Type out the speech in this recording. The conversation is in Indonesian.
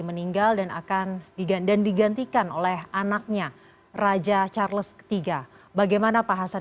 meninggal dan akan digan dan digantikan oleh anaknya raja charles iii bagaimana pak hasan